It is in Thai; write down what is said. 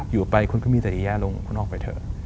อยู่ไปคุณก็มีแต่อียะลงคุณออกไปเถอะ